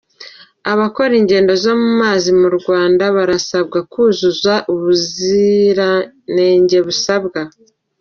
Abakora ingendo zo mu mazi mu Rwanda barasabwa kuzuza ubuzirangenge busabwa